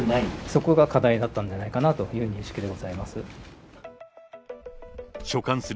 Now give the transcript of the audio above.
そこが課題だったんではないかなという認識でございます。